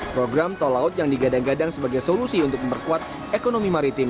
program tol laut yang digadang gadang sebagai solusi untuk memperkuat ekonomi maritim